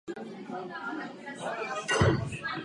Tato skutečnost má negativní dopad na produktivitu.